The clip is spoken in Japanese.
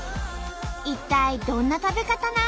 一体どんな食べ方なん？